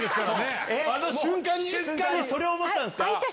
瞬間にそれを思ったんすか？